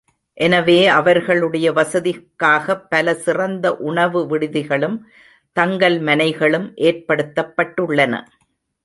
எனவே அவர்களுடைய வசதிக்காகப் பல சிறந்த உணவு விடுதிகளும், தங்கல் மனைகளும் ஏற்படுத்தப்பட்டுள்ளன.